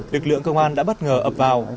lực lượng công an đã bất ngờ ập vào